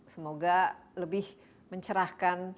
semoga lebih mencerahkan